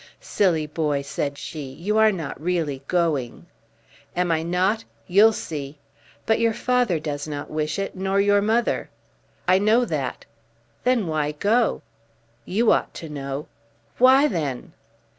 "Silly boy," said she, "you are not really going." "Am I not? You'll see." "But your father does not wish it, nor your mother." "I know that." "Then why go?" "You ought to know." "Why, then?"